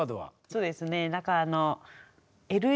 そうですね。